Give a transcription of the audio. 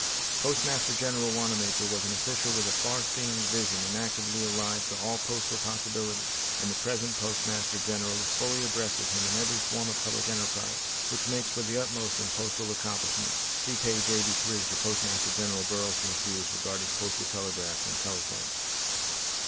Postmaster General Wanamaker was an official with a far seeing vision and actively alive to all postal possibilities, and the present Postmaster General is fully abreast of him in every form of public enterprise which makes for the utmost in postal accomplishment (See page 83, for Postmaster General Burleson's views regarding Postal Telegraphs and Telephones).